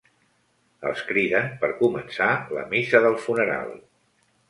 Els criden per començar la missa del funeral.